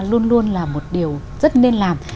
luôn luôn là một điều rất nên làm